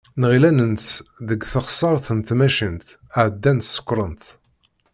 Nɣill ad nens deg teɣsert n tmacint, ɛeddan sekkṛen-tt.